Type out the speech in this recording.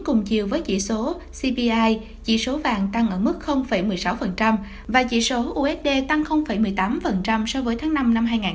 cùng chiều với chỉ số cpi chỉ số vàng tăng ở mức một mươi sáu và chỉ số usd tăng một mươi tám so với tháng năm năm hai nghìn hai mươi ba